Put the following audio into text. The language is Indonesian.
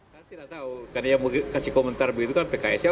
saya tidak tahu karena dia mau kasih komentar begitu kan pks